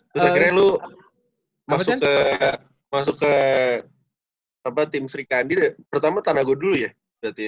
terus akhirnya lu masuk ke tim sri kandi pertama tanago dulu ya berarti ya